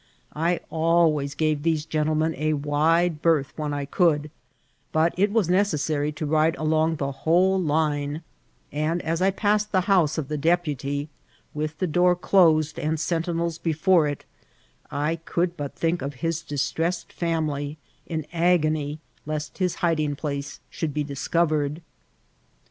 I always gave these gentlemen, a wide berth when I could, but it was necessary to ride along the whole line ; and as I passed the house of the dep uty, with the door closed and sentinels before it, I could but think of his distressed family, in agony lest his hi ding place should be discovered.